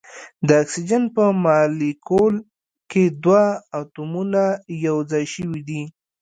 د اکسیجن په مالیکول کې دوه اتومونه یو ځای شوي دي.